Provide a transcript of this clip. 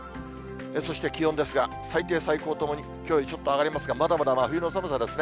そして、気温ですが、最低、最高ともに、きょうよりちょっと上がりますが、まだまだ真冬の寒さですね。